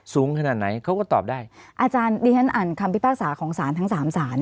สูงขนาดไหนเขาก็ตอบได้อาจารย์ดิฉันอ่านคำพิพากษาของสารทั้งสามสาร